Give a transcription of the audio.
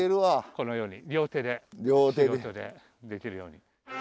このように両手でできるように。